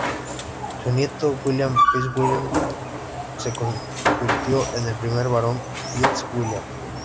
Su nieto William FitzWilliam se convirtió en el primer Barón FitzWilliam.